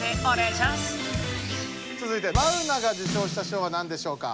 つづいてマウナが受賞した賞は何でしょうか？